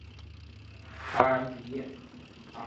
达尔比耶。